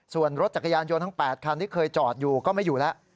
ส่วนรถจักรยานยนต์ทั้ง๘คันที่เคยจอดอยู่ก็ไม่อยู่แล้ว